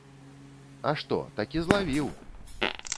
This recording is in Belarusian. А што, такі злавіў!